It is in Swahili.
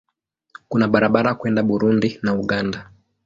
Kuna barabara kwenda Burundi na Uganda.